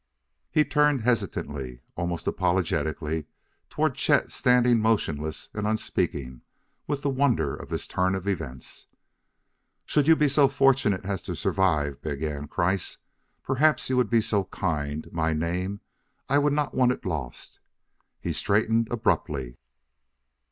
He turned hesitantly, almost apologetically, toward Chet standing motionless and unspeaking with the wonder of this turn of events. "Should you be so fortunate as to survive," began Kreiss, "perhaps you would be so kind my name I would not want it lost." He straightened abruptly.